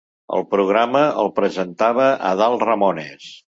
El programa el presentava Adal Ramones.